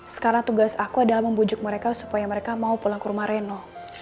sekarang tugas aku adalah membujuk mereka supaya mereka mau pulang ke rumah reno